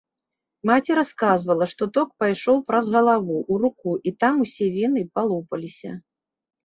Маці расказвала, што ток пайшоў праз галаву ў руку і там усе вены палопаліся.